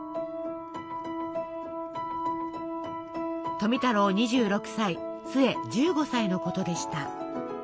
富太郎２６歳壽衛１５歳のことでした。